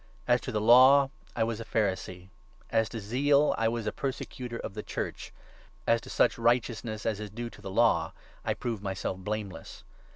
As to the Law, I was a Pharisee ; as to zeal, I 6 was a persecutor of the Church ; as to such righteousness as is due to Law, I proved myself blameless.